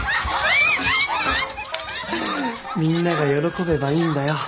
みんなが喜べばいいんだよ。